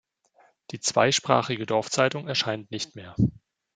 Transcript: Die zweisprachige Dorfzeitung erscheint nicht mehr.